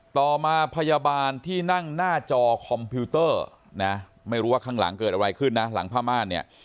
ต่อมาพยาบาลที่นั่งหน้าจอคอมพิวเตอร์นะไม่รู้ว่าข้างหลังเกิดอะไรขึ้นนะหลังผ้าม่านเนี่ย